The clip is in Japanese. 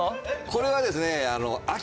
これはですね。